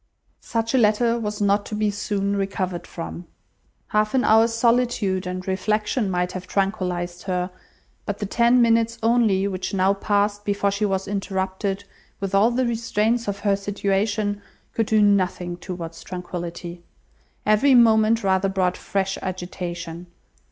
Such a letter was not to be soon recovered from. Half an hour's solitude and reflection might have tranquillized her; but the ten minutes only which now passed before she was interrupted, with all the restraints of her situation, could do nothing towards tranquillity. Every moment rather brought fresh agitation.